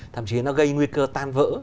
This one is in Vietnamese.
thậm chí nó gây nguy cơ tan vỡ